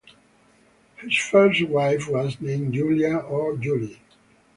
His first wife was named Julia or Julie.